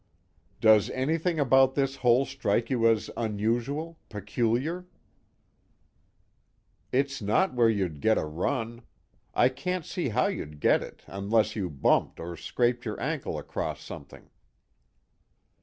"Does anything about this hole strike you as unusual, peculiar?" "It's not where you'd get a run. I can't see how you'd get it unless you bumped or scraped your ankle across something."